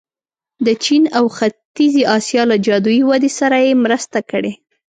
د چین او ختیځې اسیا له جادويي ودې سره یې مرسته کړې.